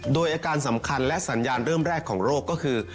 โดยอาการสำคัญและสัญญาณเริ่มแรกของโรคก็คือ